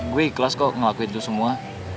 gue ikhlas kok ngelakuin itu semua